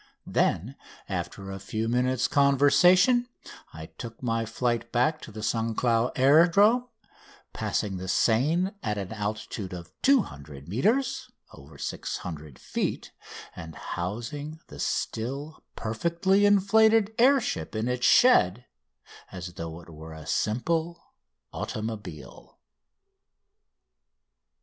Then after a few minutes' conversation I took my flight back to the St Cloud Aerodrome, passing the Seine at an altitude of 200 metres (over 600 feet), and housing the still perfectly inflated air ship in its shed as though it were a simple automobile.